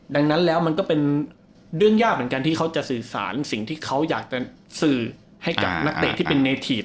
ดังนั้นแล้วมันก็เป็นเรื่องยากเหมือนกันที่เขาจะสื่อสารสิ่งที่เขาอยากจะสื่อให้กับนักเตะที่เป็นในทีฟ